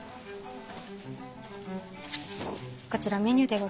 こちらメニューでございます。